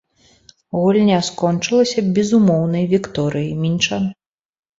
Гульня скончылася безумоўнай вікторыяй мінчан.